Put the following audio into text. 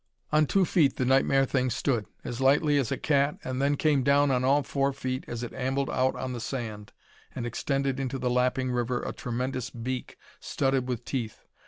On two feet the nightmare thing stood, as lightly as a cat, and then came down on all four feet as it ambled out on the sand and extended into the lapping river a tremendous beak studded with teeth.